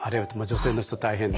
女性の人大変ですね。